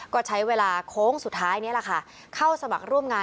ก็มันยังไม่หมดวันหนึ่ง